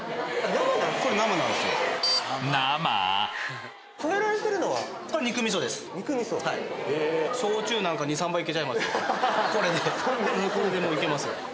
どこまでもいけますよ。